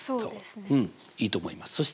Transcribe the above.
うんいいと思います。